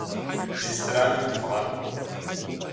Рестораным дывгъакӏуэ.